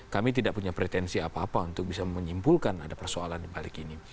kami tidak punya pretensi apa apa untuk bisa menyimpulkan ada persoalan dibalik ini